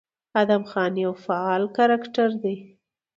ادم خان يو فعال کرکټر دى،